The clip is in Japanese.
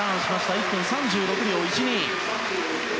１分３６秒１２。